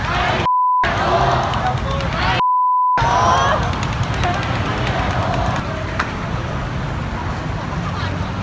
อัศวินธรรมชาติอัศวินธรรมชาติ